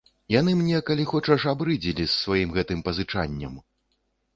Яны мне, калі хочаш, абрыдзелі з сваім гэтым пазычаннем.